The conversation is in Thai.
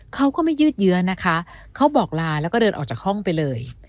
เขาก็ไม่ยืดเยื้อนะคะเขาบอกลาแล้วก็เดินออกจากห้องไปเลย